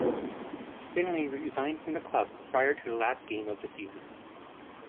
Finley resigned from the club prior to the last game of the season.